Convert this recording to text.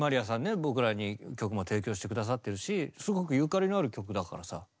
僕らに曲も提供して下さってるしすごくゆかりのある曲だからさ。